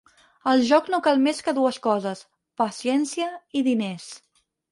Al joc no cal més que dues coses: paciència i diners.